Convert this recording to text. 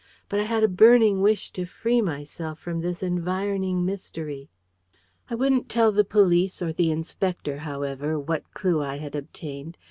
But I had a burning wish to free myself from this environing mystery. I wouldn't tell the police or the inspector, however, what clue I had obtained.